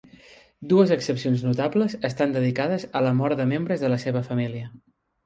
Dues excepcions notables estan dedicades a la mort de membres de la seva família.